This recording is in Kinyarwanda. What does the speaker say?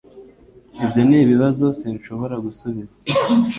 Ibyo nibibazo sinshobora gusubiza